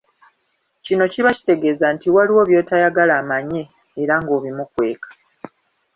Kino kiba kitegeeza nti waliwo by'otayagala amanye era ng'obimukweka.